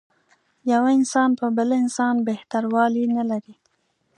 یو انسان په بل انسان بهتر والی نه لري.